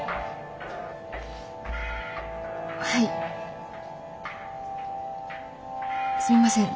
はいすみません